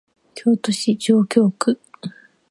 京都市上京区